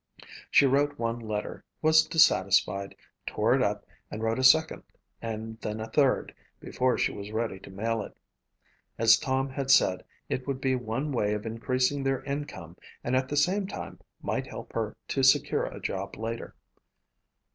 She wrote one letter, was dissatisfied, tore it up and wrote a second and then a third before she was ready to mail it. As Tom had said, it would be one way of increasing their income and at the same time might help her to secure a job later.